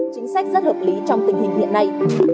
chính sách rất hợp lý trong tình hình hiện nay